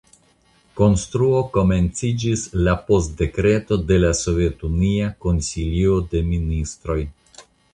Konstruo komenciĝis la post dekreto de la Sovetunia Konsilio de Ministroj.